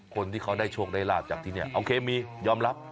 คนที่เขาได้โชคได้ลาบจากที่นี่โอเคมียอมรับ